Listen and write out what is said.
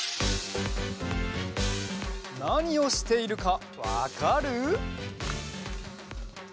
なにをしているかわかる？